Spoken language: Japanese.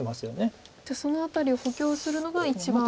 じゃあその辺りを補強するのが一番。